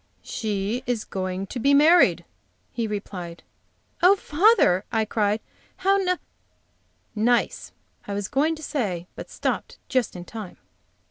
"She is going to be married," he replied. "Oh, father!" I cried, "how n " nice, I was going to say, but stopped just in time.